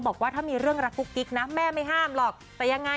บอกว่าถ้ามีเรื่องรักกุ๊กกิ๊กนะแม่ไม่ห้ามหรอกแต่ยังไง